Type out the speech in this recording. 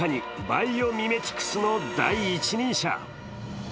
バイオミメティクスの第一人者。